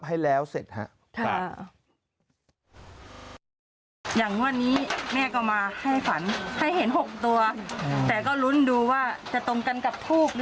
ให้แล้วเสร็จครับ